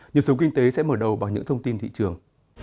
nhiều sống kinh tế sẽ mở đầu bằng những thông tin thị trường